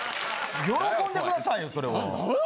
喜んでくださいよそれは。何や？